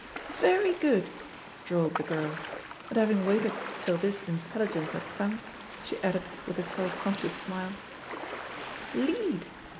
*Tery good," drawled the girl; and having nraited till this intelligence had sunk, she added ^th a self conscious smile, "Lead!